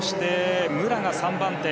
武良が３番手。